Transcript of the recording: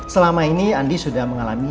selama ini andi sudah mengalami